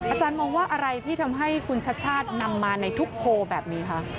อาจารย์มองว่าอะไรที่ทำให้คุณชัชชาตินำมาในทุกโพลแบบนี้คะ